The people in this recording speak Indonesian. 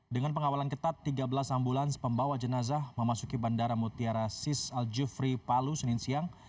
dengan pengawalan ketat tiga belas ambulans pembawa jenazah memasuki bandara mutiara sis al jufri palu senin siang